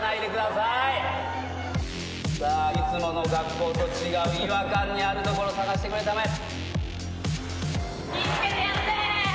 さあいつもの学校と違う違和感のあるところ探してくれたまえ。